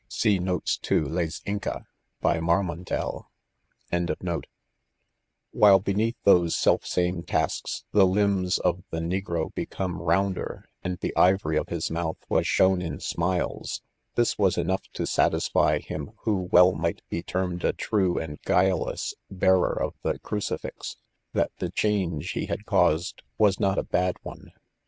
\ while beneath those self same tasks, the limbs of the nti* §ro became rounder, and the ivory of his inouth. ]?ras shown in smiles. This was enough to satisfy him, who well might be termed a true and guileless bearer of the crucifix, that the change he had caused was not a bad one.